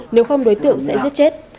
nếu không đối tượng sẽ giết chết